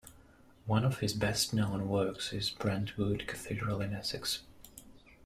One of his best known works is Brentwood Cathedral in Essex.